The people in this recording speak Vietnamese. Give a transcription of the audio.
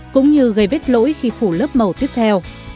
cũng như gây vết lỗi khi phủ lớp màu tiếp theo